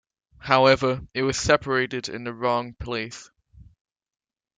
However, it was separated in the wrong place.